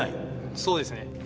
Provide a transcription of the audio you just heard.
そうですね。